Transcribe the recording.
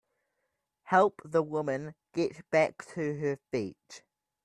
Help the woman get back to her feet.